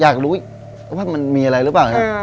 อยากรู้ว่ามันมีอะไรหรือป่าว